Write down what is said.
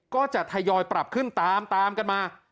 ก็จะทยอยปรับขึ้นตามกันมา